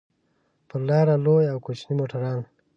پر لاره لوی او کوچني موټران.